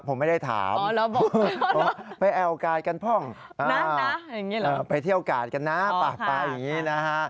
ผมไม่ได้ถามไปแอวกาดกันพ่องไปเที่ยวกาดกันนะปากปลาอย่างนี้นะฮะ